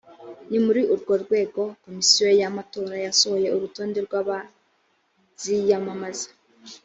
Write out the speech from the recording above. ni muri urwo rwego komisiyo ya matora yasohoye urutonde rwabaziyamamaza